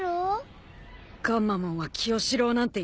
ガンマモンは「清司郎」なんて言わない。